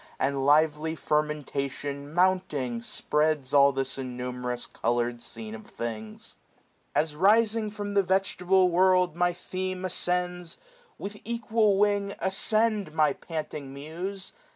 And lively fermentation, mounting, spreads All this innumerous colour'd scene of things. As rising from the vegetable world My theme ascends, with equal wing ascend, 570 My panting Muse